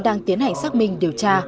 đang tiến hành xác minh điều tra